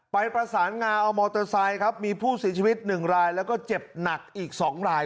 ประสานงาเอามอเตอร์ไซค์ครับมีผู้เสียชีวิต๑รายแล้วก็เจ็บหนักอีก๒ราย